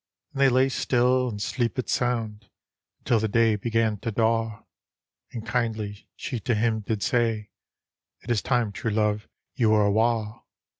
And they lay still and sleepit sound Until the day began to daw ; And kindly she to him did say, " It is time, true love, you were awa'."